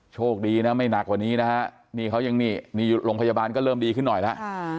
โชคดีนะไม่หนักกว่านี้นะฮะนี่เขายังนี่โรงพยาบาลก็เริ่มดีขึ้นหน่อยแล้ว